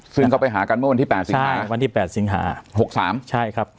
ซึ่งเขาไปหากันเมื่อวันที่๘สิงหาวันที่๘สิงหา๖๓ใช่ครับ